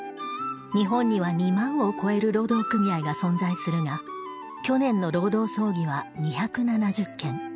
日本には２万を超える労働組合が存在するが去年の労働争議は２７０件。